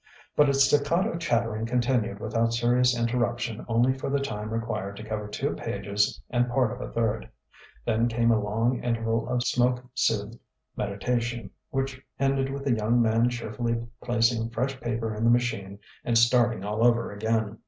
But its staccato chattering continued without serious interruption only for the time required to cover two pages and part of a third. Then came a long interval of smoke soothed meditation, which ended with the young man cheerfully placing fresh paper in the machine and starting all over again.